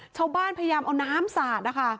ชาวบ้านพยายามเอาน้ำสาด